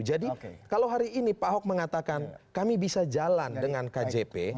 jadi kalau hari ini pak ahok mengatakan kami bisa jalan dengan kjp